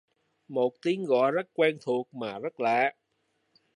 Một tiếng gọi rất quen thuộc mà rất lạ